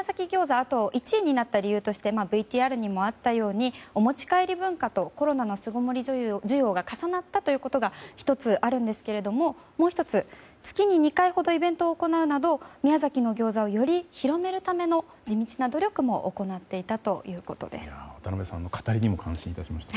ギョーザ１位になった理由としてＶＴＲにもあったようにお持ち帰り文化とコロナの巣ごもり需要が重なったということが１つあるんですがもう１つ、月に２回ほどイベントを行うなど宮崎のギョーザをより広めるための地道な努力を行っていたそうです。